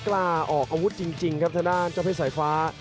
กล้าออกอาวุธจริงครับทางด้านเจ้าเพชรสายฟ้า